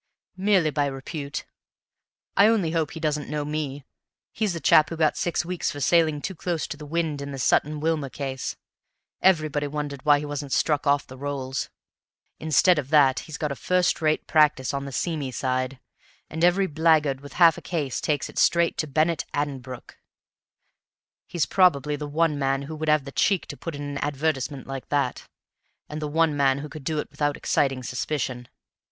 "Merely by repute. I only hope he doesn't know me. He's the chap who got six weeks for sailing too close to the wind in the Sutton Wilmer case; everybody wondered why he wasn't struck off the rolls. Instead of that he's got a first rate practice on the seamy side, and every blackguard with half a case takes it straight to Bennett Addenbrooke. He's probably the one man who would have the cheek to put in an advertisement like that, and the one man who could do it without exciting suspicion.